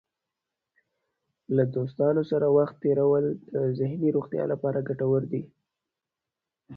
له دوستانو سره وخت تېرول د ذهني روغتیا لپاره ګټور دی.